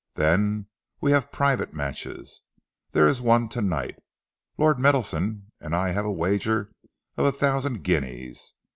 Then we have private matches. There is one to night. Lord Meadowson and I have a wager of a thousand guineas.